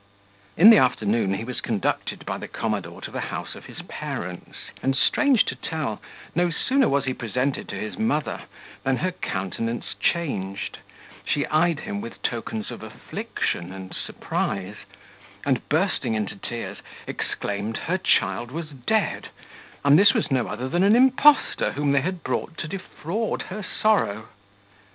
In the afternoon he was conducted by the commodore to the house of his parents; and, strange to tell, no sooner was he presented to his mother, than her countenance changed, she eyed him with tokens of affliction and surprise, and, bursting into tears, exclaimed her child was dead, and this was no other than an impostor whom they had brought to defraud her sorrow.